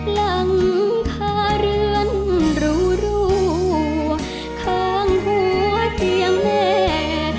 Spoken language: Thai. หลังคาเรือนรูข้างหัวเตียงแม่